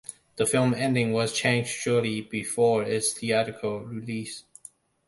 The film's ending was changed shortly before its theatrical release.